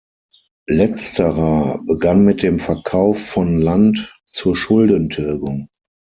Letzterer begann mit dem Verkauf Land zur Schuldentilgung.